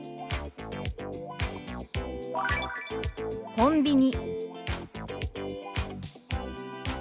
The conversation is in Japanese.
「コンビニ」。